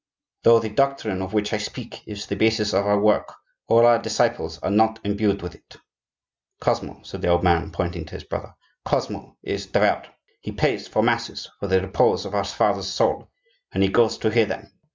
Though the doctrine of which I speak is the basis of our work, all our disciples are not imbued with it. Cosmo," said the old man, pointing to his brother, "Cosmo is devout; he pays for masses for the repose of our father's soul, and he goes to hear them.